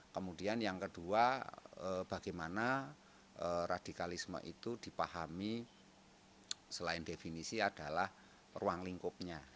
kemudian yang kedua bagaimana radikalisme itu dipahami selain definisi adalah ruang lingkupnya